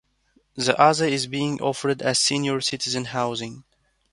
The other is being offered as senior citizen housing.